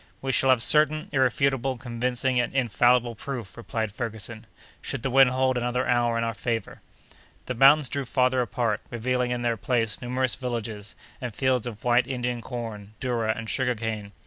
"We shall have certain, irrefutable, convincing, and infallible proof," replied Ferguson, "should the wind hold another hour in our favor!" The mountains drew farther apart, revealing in their place numerous villages, and fields of white Indian corn, doura, and sugar cane.